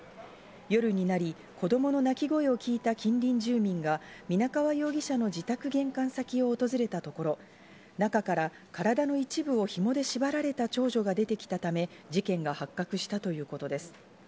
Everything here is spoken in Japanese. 夜になり、子供の泣き声を聞いた近隣住民が、皆川容疑者の自宅玄関先を訪れたところ、中から体の一部を紐で縛られた長女が出てきたため、事件が発覚したということです。